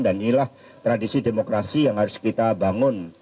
dan inilah tradisi demokrasi yang harus kita bangun